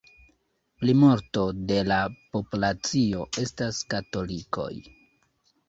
Plimulto de la populacio estas katolikoj.